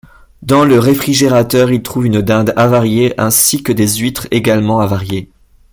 Dans le réfrigérateur, ils trouvent une dinde avariée ainsi que des huîtres, également avariées.